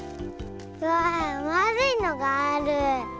わあまあるいのがある。